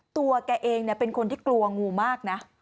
ตัวแกเองเป็นคนที่กลัวงูมากนะ